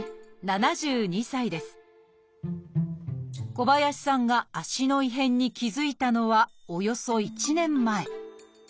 小林さんが足の異変に気付いたのはおよそ１年前。